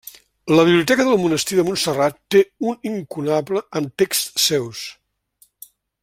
La biblioteca del Monestir de Montserrat té un incunable amb texts seus.